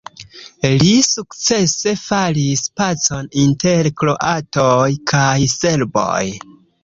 Li sukcese faris pacon inter kroatoj kaj serboj.